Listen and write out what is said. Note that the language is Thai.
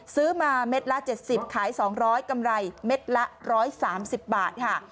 ซื้อมาเม็ดละ๗๐ขาย๒๐๐กำไรเม็ดละ๑๓๐บาทค่ะ